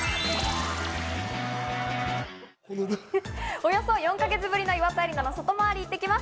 およそ４か月ぶりの岩田絵里奈の外回り行ってきます。